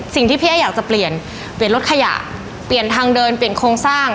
สิ่งที่พี่เอ๊อยากจะเปลี่ยนเปลี่ยนรถขยะเปลี่ยนทางเดินเปลี่ยนโครงสร้าง